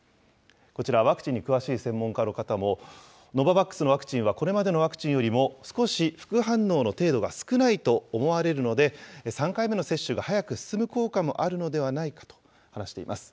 こちら、ワクチンに詳しい専門家の方も、ノババックスのワクチンはこれまでのワクチンよりも少し副反応の程度が少ないと思われるので、３回目の接種が早く進む効果もあるのではないかと話しています。